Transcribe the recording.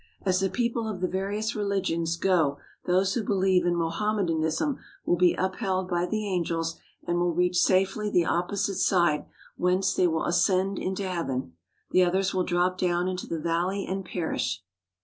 As the people of the various religions go those who believe in Mohammedanism will be upheld by the angels and will reach safely the opposite side, whence they will ascend into Heaven. The others will drop down into the valley and perish.